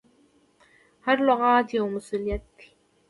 هر لغت یو مسؤلیت دی.